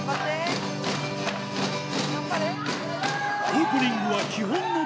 オープニングは基本の